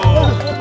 lalu dia mau ikut